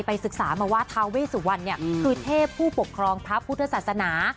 ศึกษามาว่าทาเวสุวรรณเนี่ยคือเทพผู้ปกครองพระพุทธศาสนา